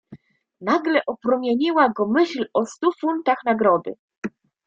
"Nagle opromieniła go myśl o stu funtach nagrody."